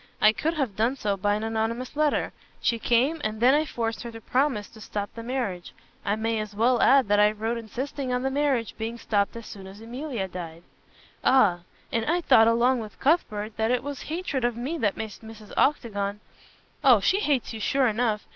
I could have done so by an anonymous letter. She came and then I forced her to promise to stop the marriage. I may as well add that I wrote insisting on the marriage being stopped as soon as Emilia died." "Ah! And I thought along with Cuthbert that it was hatred of me that made Mrs. Octagon " "Oh, she hates you sure enough.